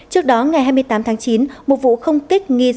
trước đó ngày hai mươi tám tháng chín một vụ không kích nghi dẫn